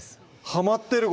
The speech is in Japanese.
はまってる